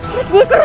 perut gue keram